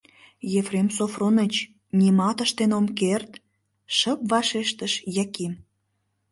— Ефрем Софроныч, нимат ыштен ом керт, — шып вашештыш Яким.